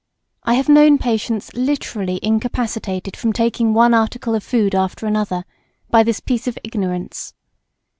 I have known patients literally incapacitated from taking one article of food after another, by this piece of ignorance.